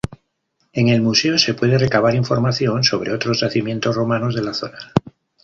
En el museo se puede recabar información sobre otros yacimientos romanos de la zona.